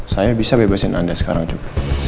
saya bisa bebasin anda sekarang itu